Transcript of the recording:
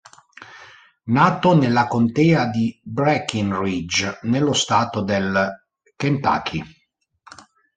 Nato nella contea di Breckinridge nello stato del Kentucky.